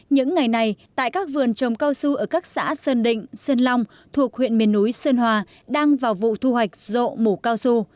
những ngày này tại các vườn trồng cao su ở các xã sơn định sơn long thuộc huyện miền núi sơn hòa đang vào vụ thu hoạch rộ mổ cao su